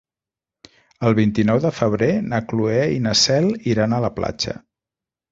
El vint-i-nou de febrer na Cloè i na Cel iran a la platja.